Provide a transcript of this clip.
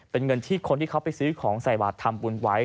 เป็นเงินที่คนที่เขาไปซื้อของใส่บาททำบุญไว้